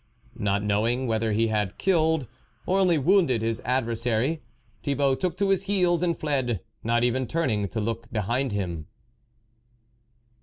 Not knowing whether he had killed, or only wounded his adversary, Thibault took to his heels and fled, not even turn ing to look behind him.